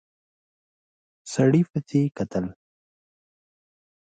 سړي پسې کتل.